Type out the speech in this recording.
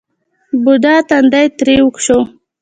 بوډا تندی ترېو شو.